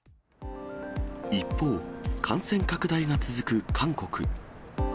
一方、感染拡大が続く韓国。